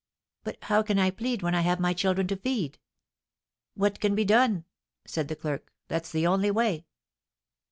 'But how can I plead when I have my children to feed?' 'What can be done?' said the clerk; 'that's the only way!'"